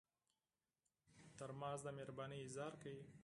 ترموز د مهربانۍ اظهار کوي.